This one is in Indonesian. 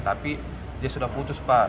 tapi dia sudah putus pak